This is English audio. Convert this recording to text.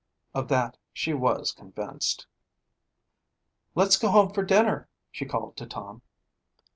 Of that she was convinced. "Let's go home for dinner," she called to Tom.